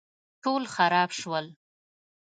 ټول خراب شول